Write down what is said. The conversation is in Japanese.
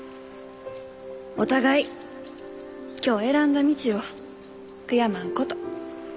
お互い今日選んだ道を悔やまんこと。